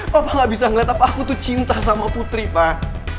bapak gak bisa ngeliat apa aku tuh cinta sama putri pak